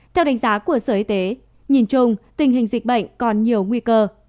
theo đánh giá của sở y tế nhìn chung tình hình dịch bệnh còn nhiều nguy cơ